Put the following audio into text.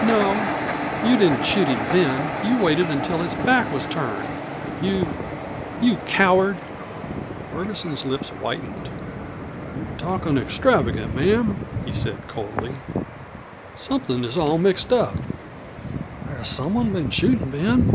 No, you didn't shoot him then you waited until his back was turned. You you coward!" Ferguson's lips whitened. "You're talkin' extravagant, ma'am," he said coldly. "Somethin' is all mixed up. Has someone been shootin' Ben?"